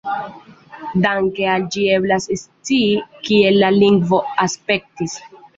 Danke al ĝi eblas scii kiel la lingvo aspektis.